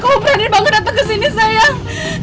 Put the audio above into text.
kamu berani banget dateng kesini sayang